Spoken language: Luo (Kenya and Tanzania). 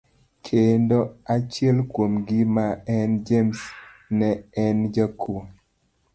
Kendo achiel kuom gi ma en James ne en jakuo.